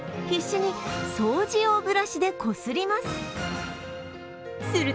必死に掃除用ブラシでこすります。